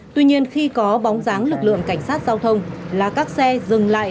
tuy nhiên khi có bóng dáng lực lượng cảnh sát giao thông là các xe dừng lại